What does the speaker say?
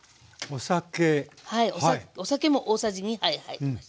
はいお酒も大さじ２杯入ります。